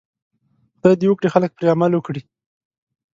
خدای دې وکړي خلک پرې عمل وکړي.